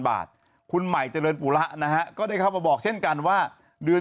บาทคุณใหม่เจริญปุระนะฮะก็ได้เข้ามาบอกเช่นกันว่าเดือน